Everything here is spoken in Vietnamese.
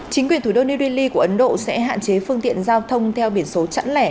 chính quyền thủ đô new delhi của ấn độ sẽ hạn chế phương tiện giao thông theo biển số chẵn lẻ